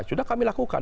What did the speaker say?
sudah kami lakukan